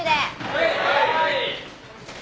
はい。